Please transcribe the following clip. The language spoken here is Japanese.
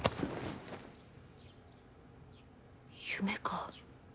夢か。